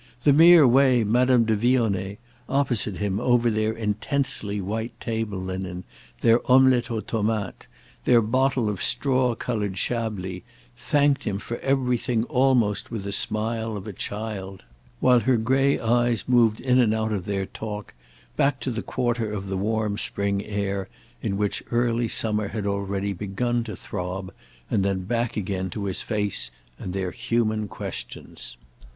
—the mere way Madame de Vionnet, opposite him over their intensely white table linen, their omelette aux tomates, their bottle of straw coloured Chablis, thanked him for everything almost with the smile of a child, while her grey eyes moved in and out of their talk, back to the quarter of the warm spring air, in which early summer had already begun to throb, and then back again to his face and their human questions.